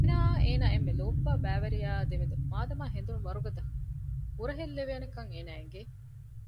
އޭނާއާ އޭނާ އެންމެ ލޯބިވާ ބައިވެރިޔާއާ ދެމެދު މާދަމާ ހެނދުނު ވަރުގަދަ ހުރަހެއްލެވޭނެކަން އޭނާއަށް އެނގެ